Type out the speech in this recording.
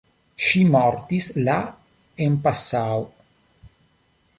Ŝi mortis la en Passau.